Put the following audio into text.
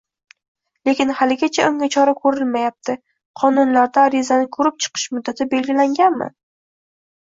lekin haligacha unga chora ko‘rilmayapti. Qonunlarda arizani ko‘rib chiqish muddati belgilanganmi?